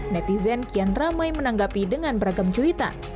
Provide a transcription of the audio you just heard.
netizen kian ramai menanggapi dengan beragam cuitan